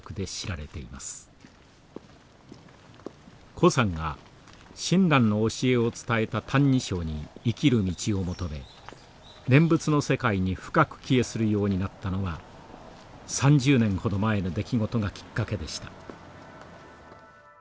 高さんが親鸞の教えを伝えた「歎異抄」に生きる道を求め念仏の世界に深く帰依するようになったのは３０年ほど前の出来事がきっかけでした。